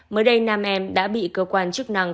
mới đây nam em đã bị cơ quan chức năng